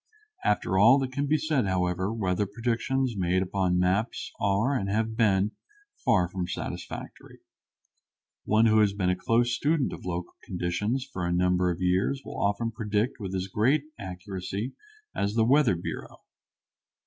After all that can be said, however, weather predictions based upon maps are and have been far from satisfactory. One who has been a close student of local conditions for a number of years will often predict with as great accuracy as the weather bureau.